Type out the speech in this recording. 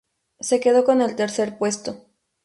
Se quedó con el tercer puesto.